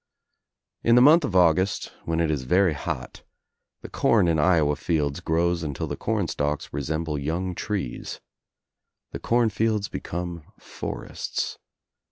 In the month of August, when it is very hot, the com in Iowa fields grows until the com stalks resemble I young trees. The corn fields become forests.